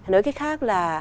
nói cách khác là